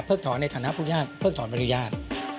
เผิกถอนในฐานะพุทธญาติเผิกถอนอนุญาต